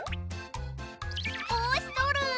ぼうしとる！